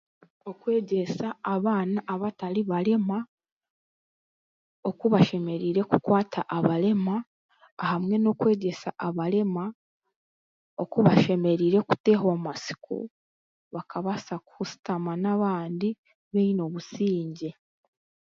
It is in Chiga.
Okwegyesa abaana abatari barema oku bashemereire kukwata abarema hamwe n'okwegyesa abarema oku bashemereire kutehwa amatsiko bakabaasa kushutama n'abandi baine busingye